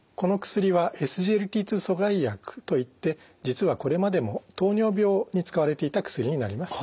２阻害薬といって実はこれまでも糖尿病に使われていた薬になります。